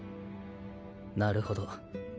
なるほど。